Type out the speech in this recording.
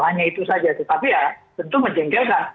hanya itu saja tetapi ya tentu menjengkelkan